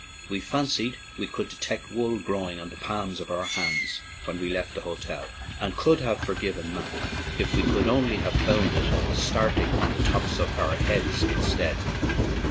We fancied we could de tect wool growing on the palms of our hands when we left the hotel, and could have forgiven "Mac" if we could only have found it starting on the tops of our heads instead.